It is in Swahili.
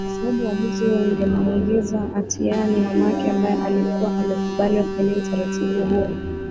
kwa sababu uamuzi huo ungemuingiza hatiyani mamake ambaye alikuwa amekubali afanyiwe utaratibu huo